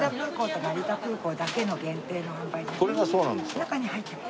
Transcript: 中に入ってます。